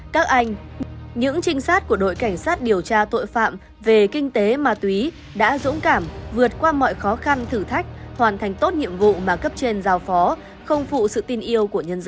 các anh những trinh sát của đội cảnh sát điều tra tội phạm về kinh tế ma túy đã dũng cảm vượt qua mọi khó khăn thử thách hoàn thành tốt nhiệm vụ mà cấp trên giao phó không phụ sự tin yêu của nhân dân